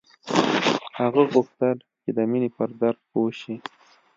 هغه غوښتل چې د مینې پر درد پوه شي